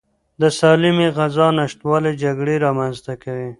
د سالمې غذا نشتوالی جګړې رامنځته کوي.